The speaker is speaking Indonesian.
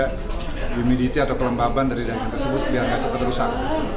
biar lebih humidity atau kelembaban dari daun ikan tersebut biar gak cepet rusak